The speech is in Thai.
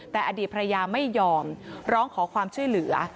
แต่อดีตภรรยาไม่ยอมร้องขอความช่วยเหลือ